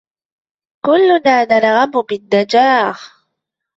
كلنا نرغب بالنجاح.